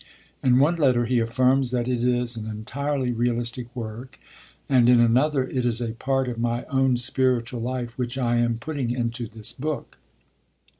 In one letter he affirms that it is 'an entirely realistic work,' and in another, 'It is a part of my own spiritual life which I am putting into this book